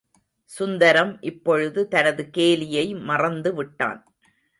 சுந்தரம் இப்பொழுது தனது கேலியை மறந்துவிட்டான்.